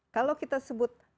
kalau kita sebut